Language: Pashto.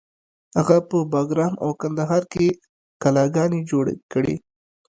هغه په بګرام او کندهار کې کلاګانې جوړې کړې